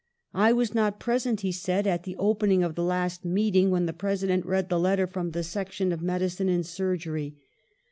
"I was not present/' he said, "at the opening of the last meeting, when the President read the letter from the section of medicine and sur gery.